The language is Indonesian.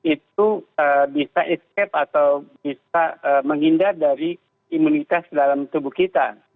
itu bisa escape atau bisa menghindar dari imunitas dalam tubuh kita